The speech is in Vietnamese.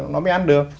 nó mới ăn được